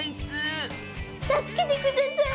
たすけてください。